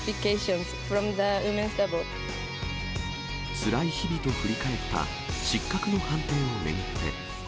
つらい日々と振り返った、失格の判定を巡って。